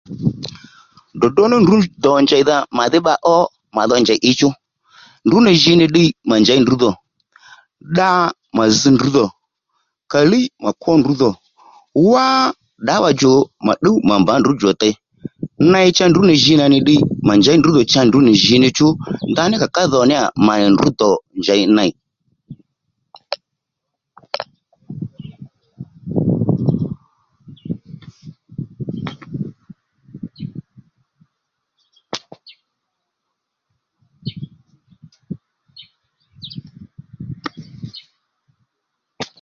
Ddròddró ní ndrǔ dò njèydha màdhí bba ó màdho njèy ǐchú ndrǔ nì jì nì ddiy mà njěy ndrǔ dhò dda mà zzǐ ndrǔ dhò kà líy mà kwó ndrǔ dhò wá ddǎwà djò mà ddúw mà mbǎ ndrǔ djò tè ney cha ndrǔ nì jǐ nà nì ddiy mà njěy ndrǔ dhò cha ndrǔ nì jǐ ní chú ndaní kà ká dhò ní yà mà nì ndrǔ dò njěy ney